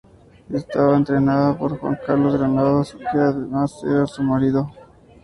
Estaba entrenada por Juan Carlos Granados, que además era su marido.